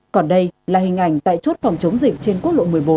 còn đây là hình ảnh tại chốt phòng chống dịch trên quốc lộ một mươi bốn